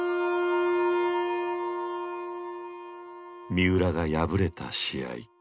三浦が敗れた試合。